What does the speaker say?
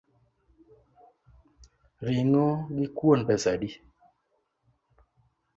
Ring’o gi kuon pesa adi?